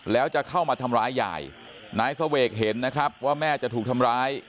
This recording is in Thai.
แล้วจะเข้ามาทำร้ายยายนายเสวกเห็นนะครับว่าแม่จะถูกทำร้าย